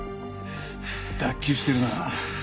脱臼してるな。